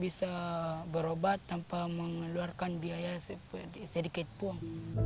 bisa berobat tanpa mengeluarkan biaya sedikit pun